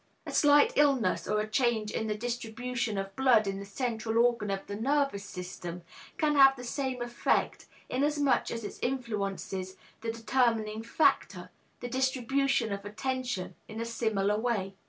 A slight illness, or a change in the distribution of blood in the central organ of the nervous system, can have the same effect, inasmuch as it influences the determining factor, the distribution of attention, in a similar way.